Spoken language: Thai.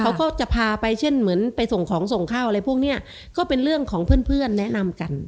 เขาก็จะพาไปเช่นเหมือนไปส่งของส่งข้าวอะไรพวกเนี้ยก็เป็นเรื่องของเพื่อนเพื่อนแนะนำกัน